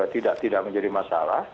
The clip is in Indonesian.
tidak tidak menjadi masalah